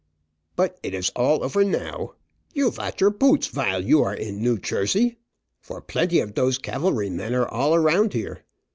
But it is all ofer now. You vatch your poots vile you are in New Chersey, for plenty of dose cavalry men are all around here.